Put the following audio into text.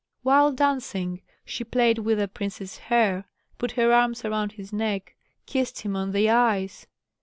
While dancing, she played with the prince's hair, put her arms around his neck, kissed him on the eyes.